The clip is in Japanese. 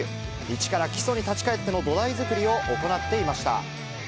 一から基礎に立ち返っての土台作りを行っていました。